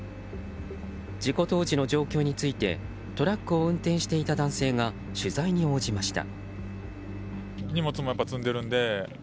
事故当時の状況についてトラックを運転していた男性が取材に応じました。